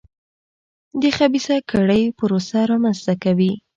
د خبیثه کړۍ پروسه رامنځته کوي.